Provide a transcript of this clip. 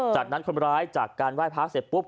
จากนั้นคนร้ายจากการไหว้พระเสร็จปุ๊บ